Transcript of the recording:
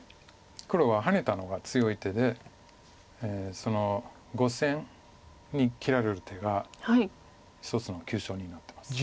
黒はハネたのが強い手で５線に切られる手が一つの急所になってます。